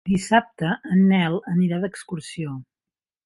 Dissabte en Nel anirà d'excursió.